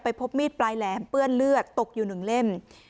พบมีดปลายแหลมเปื้อนเลือดตกอยู่๑เล่ม